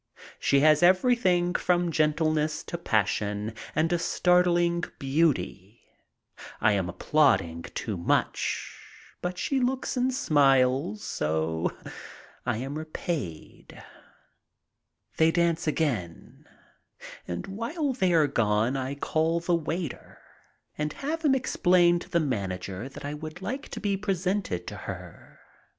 She has everything from gentle ness to passion and a startling beauty. I am applauding too much, but she looks and smiles, so I am repaid. They dance again, and while they are gone I call the waiter and have him explain to the manager that I would like to be presented to her.